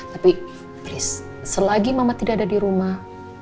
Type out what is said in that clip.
tapi chris selagi mama tidak ada di rumah